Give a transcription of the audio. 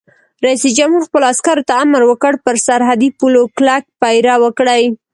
رئیس جمهور خپلو عسکرو ته امر وکړ؛ پر سرحدي پولو کلک پیره وکړئ!